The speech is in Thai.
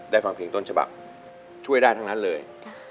ฟังเพลงต้นฉบับช่วยได้ทั้งนั้นเลย